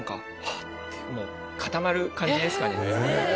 あって固まる感じですかね。